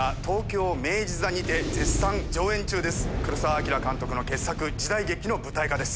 黒澤明監督の傑作時代劇の舞台化です。